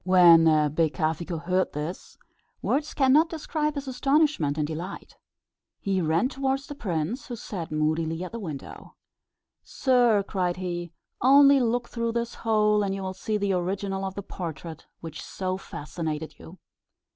When Becafico heard this, words cannot describe his astonishment and delight. He ran towards the prince, who sat moodily at the window. "Sir," cried he, "only look through this hole, and you will see the original of the portrait which so fascinated you."